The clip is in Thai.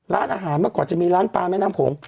ร้านอาหารเมื่อก่อนจะมีร้านปลาแม่น้ำโขง